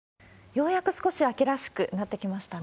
ようやく少し秋らしくなってきましたね。